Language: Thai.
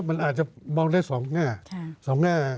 มันอาจจะมองได้๒หน้า